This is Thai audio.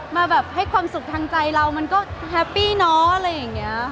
มาแบบให้ความสุขทางใจเรามันก็แฮปปี้เนาะอะไรอย่างนี้